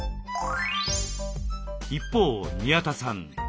一方宮田さん